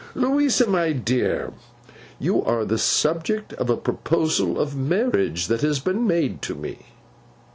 'Louisa, my dear, you are the subject of a proposal of marriage that has been made to me.